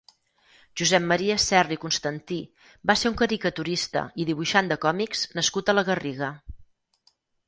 Josep Maria Serra i Constantí va ser un caricaturista i dibuixant de còmics nascut a la Garriga.